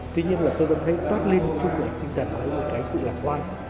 tuy nhiên là tôi vẫn thấy toát lên trung lịch trinh thần một cái sự lạc quan